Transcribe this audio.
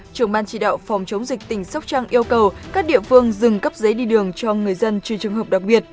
trưởng ban chỉ đạo phòng chống dịch tỉnh sóc trăng yêu cầu các địa phương dừng cấp giấy đi đường cho người dân trừ trường hợp đặc biệt